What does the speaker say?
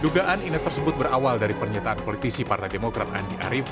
dugaan ines tersebut berawal dari pernyataan politisi partai demokrat andi arief